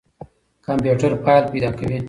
کمپيوټر فايل پيدا کوي.